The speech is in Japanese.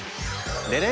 でね！